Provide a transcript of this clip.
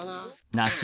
那須